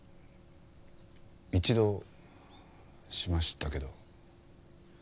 一度しましたけど。